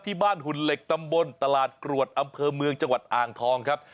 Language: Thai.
หุ่นเหล็กตำบลตลาดกรวดอำเภอเมืองจังหวัดอ่างทองครับ